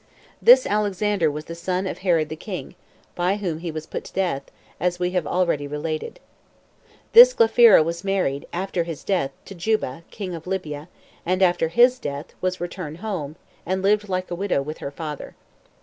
This Alexander was the son of Herod the king, by whom he was put to death, as we have already related. This Glaphyra was married, after his death, to Juba, king of Libya; and, after his death, was returned home, and lived a widow with her father.